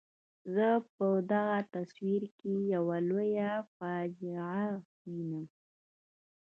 زه په دغه تصویر کې یوه لویه فاجعه وینم.